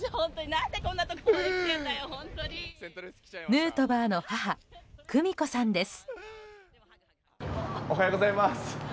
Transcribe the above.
ヌートバーの母久美子さんです。